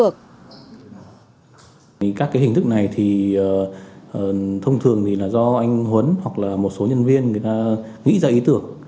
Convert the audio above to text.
các hình thức này thì thông thường là do anh huấn hoặc là một số nhân viên nghĩ ra ý tưởng